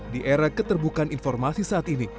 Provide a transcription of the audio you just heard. di era keterbukaan informasi saat ini